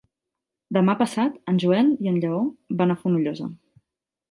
Demà passat en Joel i en Lleó van a Fonollosa.